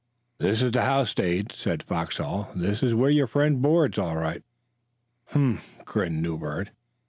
"This is the house, Dade," said Foxhall; "this is where your friend boards, all right." "Humph!" grinned Newbert.